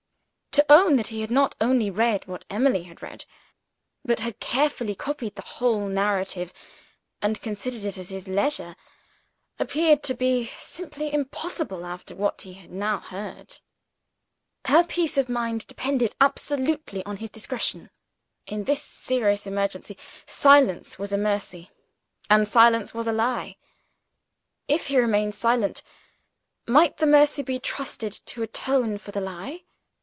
To own that he had not only read what Emily had read, but had carefully copied the whole narrative and considered it at his leisure, appeared to be simply impossible after what he had now heard. Her peace of mind depended absolutely on his discretion. In this serious emergency, silence was a mercy, and silence was a lie. If he remained silent, might the mercy be trusted to atone for the lie?